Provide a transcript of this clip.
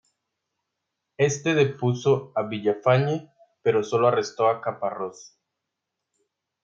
Éste depuso a Villafañe, pero sólo arrestó a Caparrós.